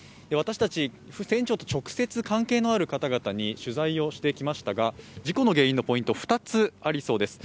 私たち、船長と直接関係のある方々に取材をしてきましたが、事故の原因のポイント、２つありそうです。